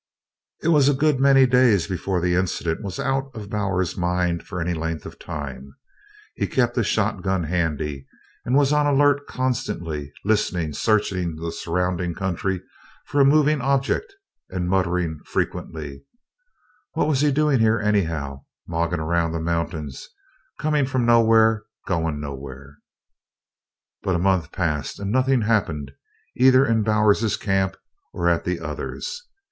It was a good many days before the incident was out of Bowers's mind for any length of time. He kept his shotgun handy and was on the alert constantly, listening, searching the surrounding country for a moving object, and muttering frequently, "What was he doin' here, anyhow moggin' round the mountains comin' from nowhur, goin' nowhur!" But a month passed and nothing happened, either in Bowers's camp or at the others.